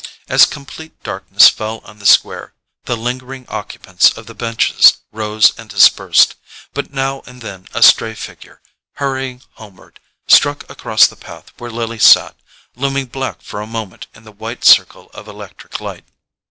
As complete darkness fell on the square the lingering occupants of the benches rose and dispersed; but now and then a stray figure, hurrying homeward, struck across the path where Lily sat, looming black for a moment in the white circle of electric light.